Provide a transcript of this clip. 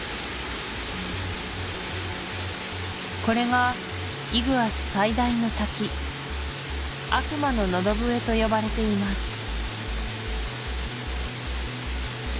これがイグアス最大の滝「悪魔の喉笛」と呼ばれています